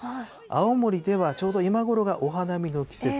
青森では、ちょうど今頃がお花見の季節。